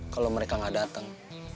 kalau mereka gak datang